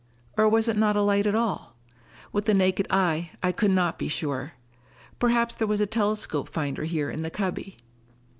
Or was it not a light at all? With the naked eye, I could not be sure. Perhaps there was a telescope finder here in the cubby....